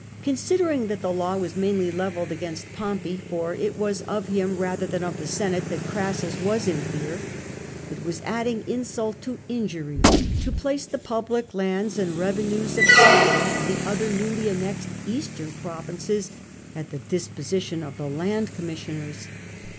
Considering that the law was mainly levelled against Pompey (for it W61S of him rather than of the Senate that Crassus was in fear), it was adding insult to injury to place the public lands and revenues of Syria and the other newly annexed Eastern provinces at the disposition of the Land Commissioners.